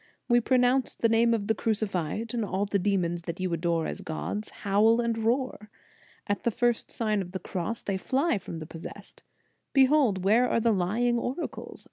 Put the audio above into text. "We pro nounce the name of the Crucified, and all the demons that you adore as gods, howl and roar. At the first Sign of the Cross, they fly from the possessed. Behold! where are the lying oracles ?